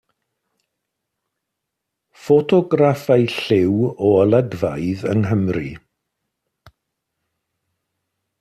Ffotograffau lliw o olygfeydd yng Nghymru.